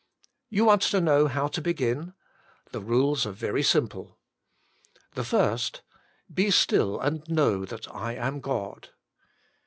You want to know how to begin. The rules are very simple. The first :" Be still and know that I am God.''